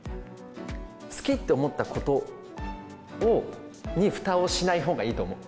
好きと思ったことにふたをしないほうがいいと思う。